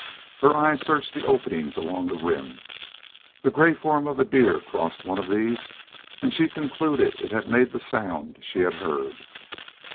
Her eyes searched the openings along the Rim. The gray form of a deer crossed one of these, and she concluded it had made the sound she had heard.